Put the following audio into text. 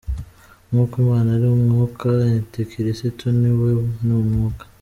Nk’uko Imana ari umwuka, Anti-kirisitu na we ni umwuka.